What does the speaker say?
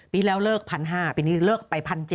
ปีแล้วเลิก๑๕๐๐ปีนี้เลิกไป๑๗๐๐